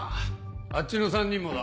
あっちの３人もだ。